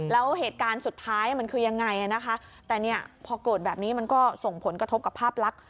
แล้วเหตุการณ์สุดท้ายมันคือยังไงนะคะแต่เนี่ยพอเกิดแบบนี้มันก็ส่งผลกระทบกับภาพลักษณ